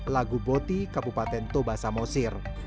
lagu boti kabupaten toba samosir